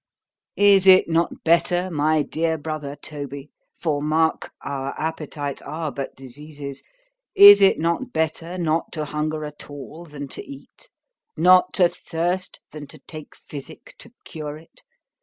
Is it not better, my dear brother Toby, (for mark—our appetites are but diseases,)—is it not better not to hunger at all, than to eat?—not to thirst, than to take physic to cure it?